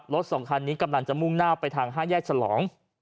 สองคันนี้กำลังจะมุ่งหน้าไปทาง๕แยกฉลอง